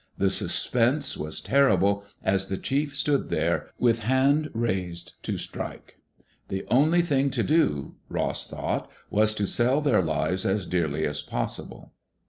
The suspense was terrible as the chief stood there, with hand upraised to strike. The only thing to do, Ross thought, was to sell their lives as dearly as possible.